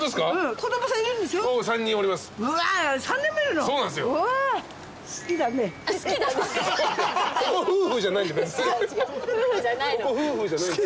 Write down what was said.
ここ夫婦じゃない。